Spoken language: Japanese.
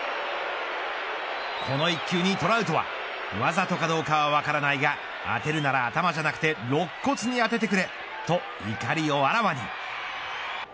この一球にトラウトはわざとかどうかは分からないが当てるなら頭じゃなくてろっ骨に当ててくれと怒りをあらわに。